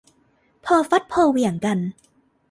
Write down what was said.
พอฟัดพอเหวี่ยงกัน